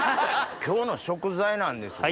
今日の食材なんですが。